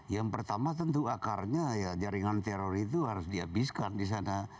yang pertama tentu akarnya ya jaringan teror itu harus dihabiskan di sana